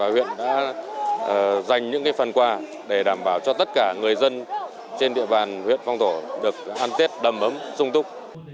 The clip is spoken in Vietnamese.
huyện đã dành những phần quà để đảm bảo cho tất cả người dân trên địa bàn huyện phong thổ được ăn tết đầm ấm sung túc